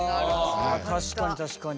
あ確かに確かに。